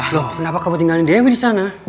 loh kenapa kamu tinggalin dewi disana